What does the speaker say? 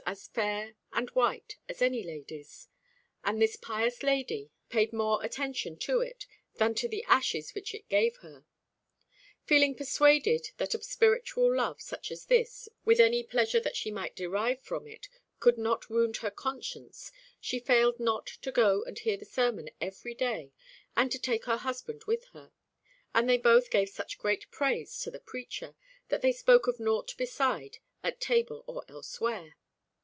A friar would not officiate at the high altar. Ed. Feeling persuaded that a spiritual love such as this, with any pleasure that she might derive from it, could not wound her conscience, she failed not to go and hear the sermon every day and to take her husband with her; and they both gave such great praise to the preacher, that they spoke of nought beside at table or elsewhere.